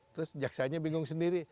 terus jaksanya bingung sendiri